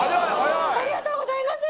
ありがとうございます！